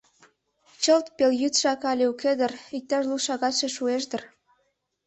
Чылт пелйӱдшак але уке дыр, иктаж лу шагатше шуэш дыр.